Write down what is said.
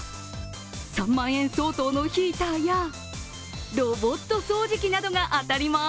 ３万円相当のヒーターやロボット掃除機などが当たります。